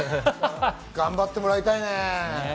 頑張ってもらいたい。